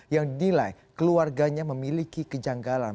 yang dinilai keluarganya memiliki kejanggalan